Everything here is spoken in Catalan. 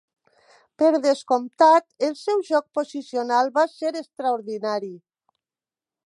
Per descomptat, el seu joc posicional va ser extraordinari.